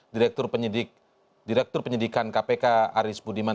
direktur penyidikan kpk aris budiman